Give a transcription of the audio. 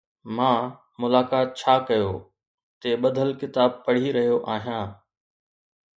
مان ”ملاقات ڇا ڪيو“ تي ٻڌل ڪتاب پڙهي رهيو آهيان.